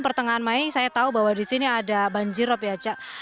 pertengahan mei saya tahu bahwa di sini ada banjirop ya cak